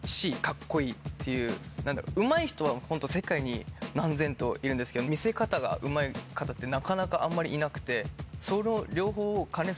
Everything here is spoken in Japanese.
何だろううまい人はホント世界に何千といるんですけど見せ方がうまい方ってなかなかあんまりいなくて。